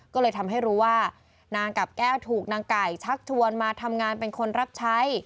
ก็เลยทำให้รู้ว่านางกับแก้วถูกนางไก่ชักชวนมาทำงานเป็นคนรับใช้